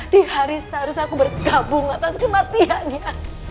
di hari seharusnya aku bergabung atas kematiannya